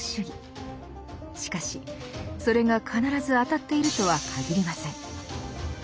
しかしそれが必ず当たっているとはかぎりません。